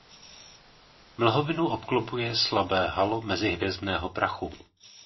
Mlhovinu obklopuje slabé halo mezihvězdného prachu.